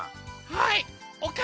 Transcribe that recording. はい！